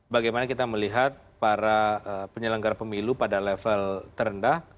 bagaimana kita melihat para penyelenggara pemilu pada level terendah